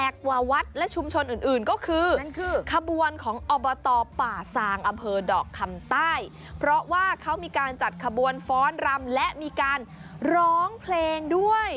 คือขบวนของอบตป่าสางอำเภอดอกคำใต้เพราะว่าเขามีการจัดขบวนฟ้อนรำและมีการร้องเพลงด้วย